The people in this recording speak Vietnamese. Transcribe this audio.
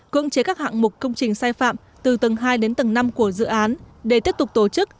cưỡng chế các hạng mục công trình sai phạm từ tầng hai đến tầng năm của dự án để tiếp tục tổ chức